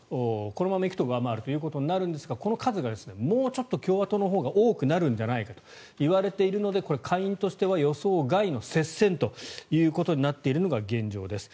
このままいくと上回るということになるんですがこの数がもうちょっと共和党のほうが多くなるんじゃないかといわれているのでこれ、下院としては予想外の接戦ということになっているのが現状です。